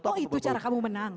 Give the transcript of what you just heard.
toh itu cara kamu menang